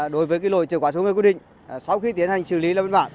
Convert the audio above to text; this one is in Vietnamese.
đối với kỳ lỗi trở quá số người quy định sau khi tiến hành xử lý là bình bản